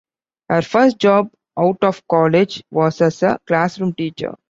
Her first job out of college was as a classroom teacher.